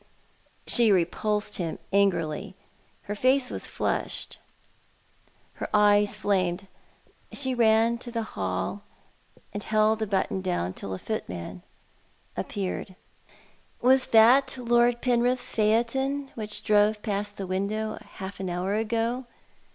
She repulsed him angrily. Her face was flushed ; her eyes 192 Thou art the Man. flamed. She ran to the bell and held the button doAvn till a footman appeared. "Was that Lord Penrith's phaeton which drove past the window half an hour ago